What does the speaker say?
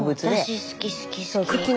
私好き好き好き。